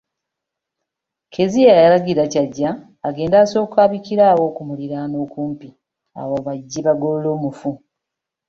Kezia yalagira Kyajja agende asooke abikire abookumuliraano okumpi awo bajje bagolole omuntu.